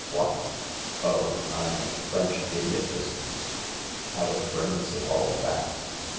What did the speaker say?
" What ? Oh, I know, French idiotisms. How it brings it all back